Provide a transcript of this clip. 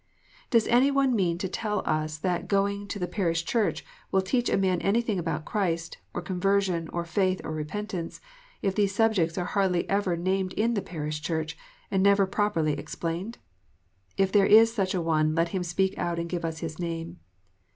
Does any one mean to tell us that going to the parish church will teach a man anything about Christ, or con version, or faith, or repentance, if these subjects are hardly ever named in the parish church, and never properly explained ? If there is such an one, let him speak out, and give us his name.